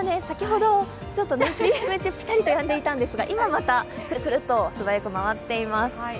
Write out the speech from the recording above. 先ほどちょっとＣＭ中、ぴたりとやんでいたんですが今、またくるくると素早く回っています。